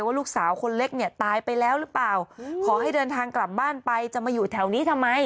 ลูกสาวคนเล็กเนี่ยตายไปแล้วหรือเปล่าขอให้เดินทางกลับบ้านไปจะมาอยู่แถวนี้ทำไม